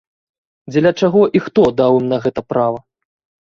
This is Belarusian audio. Дзеля чаго і хто даў ім на гэта права?